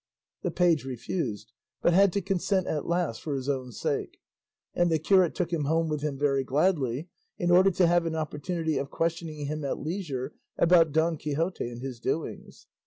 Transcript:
The page refused, but had to consent at last for his own sake; and the curate took him home with him very gladly, in order to have an opportunity of questioning him at leisure about Don Quixote and his doings.